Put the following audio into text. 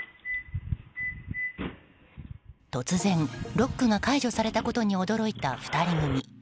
突然ロックが解除されたことに驚いた２人組。